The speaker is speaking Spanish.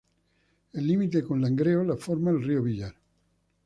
El límite con Langreo lo forma el río Villar.